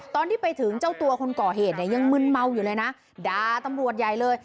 ตอนที่ไปถึงเจ้าตัวคนก่อเหตุเนี่ยยังมึนเมาอยู่เลยนะด่าตำรวจใหญ่เลย